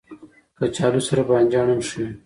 کچالو سره بانجان هم ښه وي